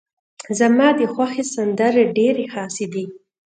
زما ده خوښې سندرې ډيرې خاصې دي.